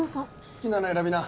好きなの選びな。